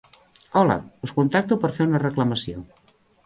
Hola, us contacto per fer una reclamació.